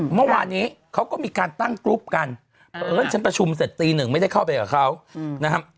เมื่อวานนี้เขาก็มีการตั้งกรุ๊ปกันเพราะเอิญฉันประชุมเสร็จตีหนึ่งไม่ได้เข้าไปกับเขานะครับ